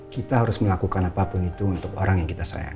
kita harus melakukan apapun itu untuk orang yang kita sayang